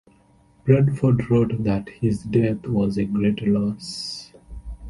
Bradford wrote that his death was a great loss.